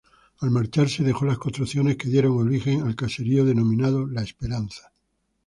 Al marcharse, dejó las construcciones que dieron origen al caserío denominado La Esperanza.